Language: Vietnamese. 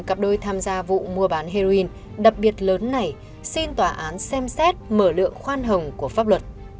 cặp đôi tham gia vụ mua bán heroin đặc biệt lớn này xin tòa án xem xét mở lượng khoan hồng của pháp luật